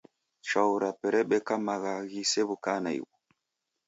Chwau rape rebeka magha ghisew'uka naighu.